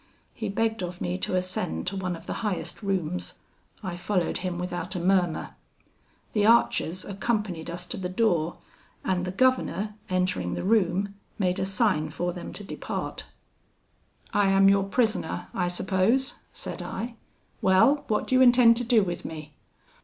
He begged of me to ascend to one of the highest rooms; I followed him without a murmur. The archers accompanied us to the door, and the governor, entering the room, made a sign for them to depart. 'I am your prisoner, I suppose?' said I; 'well, what do you intend to do with me?'